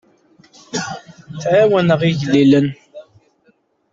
Ttɛawaneɣ igellilen.